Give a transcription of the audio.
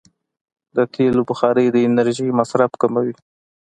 د تېلو بخاري د انرژۍ مصرف کموي.